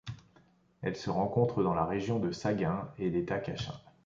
Elle se rencontre dans la région de Sagaing et l'État Kachin.